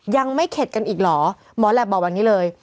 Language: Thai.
ยังไม่เข็ดกันอีกเหรอหมอแหลปบอกแบบนี้เลย